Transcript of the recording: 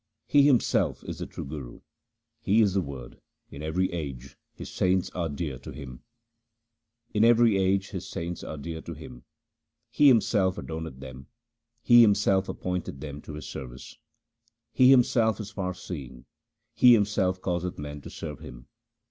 He Himself is the True Guru ; He is the Word ; in every age His saints are dear to Him : In every age His saints are dear to Him ; He Himself adorneth them ; He Himself appointeth them to His service. He Himself is far seeing, He Himself causeth men to serve Him.